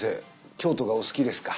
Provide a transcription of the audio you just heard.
京都がお好きですか？